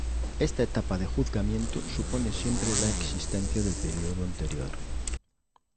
Esta etapa de juzgamiento supone siempre la existencia del periodo anterior.